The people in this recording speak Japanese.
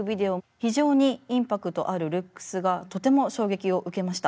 非常にインパクトあるルックスがとても衝撃を受けました。